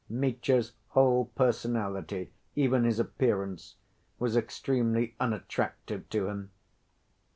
Mitya's whole personality, even his appearance, was extremely unattractive to him.